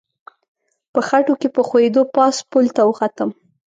په خټو کې په ښویېدو پاس پل ته وختم.